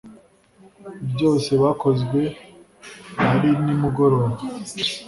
byose bakozwe arinimugoroba